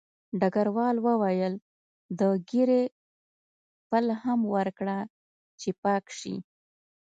ډګروال وویل د ږیرې پل هم ورکړه چې پاک شي